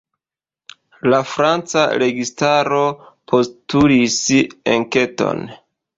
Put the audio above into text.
La franca registaro postulis enketon.